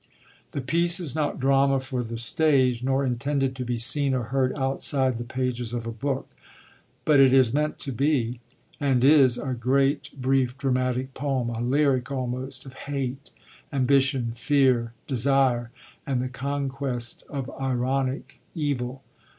The piece is not drama for the stage, nor intended to be seen or heard outside the pages of a book; but it is meant to be, and is, a great, brief, dramatic poem, a lyric almost, of hate, ambition, fear, desire, and the conquest of ironic evil.